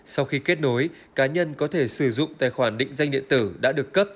sau khi kết nối cá nhân có thể sử dụng tài khoản định danh điện tử đã được cấp